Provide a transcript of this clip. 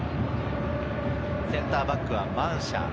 センターバックはマンシャ。